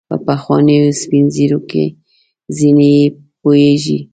په پخوانیو سپین ږیرو کې ځینې یې پوهیږي.